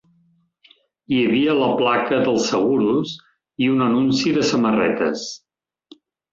Hi havia la placa dels seguros i un anunci de samarretes